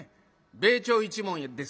「米朝一門です」